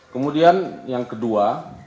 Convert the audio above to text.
kemudian yang kedua